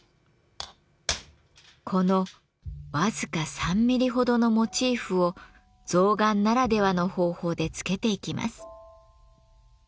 この僅か３ミリほどのモチーフを象がんならではの方法で付けていきます。